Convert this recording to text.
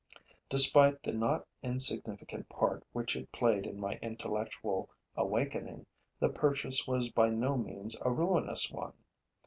Despite the not insignificant part which it played in my intellectual awakening, the purchase was by no means a ruinous one.